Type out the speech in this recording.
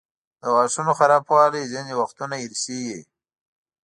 د غاښونو خرابوالی ځینې وختونه ارثي وي.